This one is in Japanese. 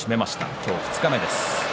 今日が二日目です。